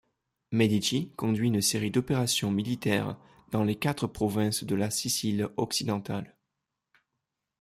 Medici conduit une série d'opérations militaires dans les quatre provinces de la Sicile occidentale.